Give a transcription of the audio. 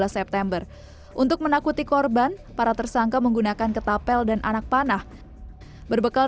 september untuk menakuti korban para tersangka menggunakan ketapel dan anak panah berbekal